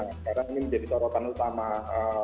sekarang ini menjadi sorotan utama ee